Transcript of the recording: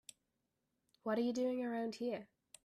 What are you doing around here?